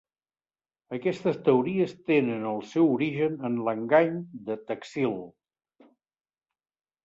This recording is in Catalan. Aquestes teories tenen el seu origen en l'engany de Taxil.